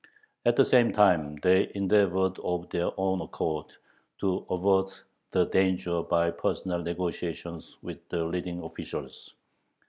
At the same time they endeavored of their own accord to avert the danger by personal negotiations with the leading officials.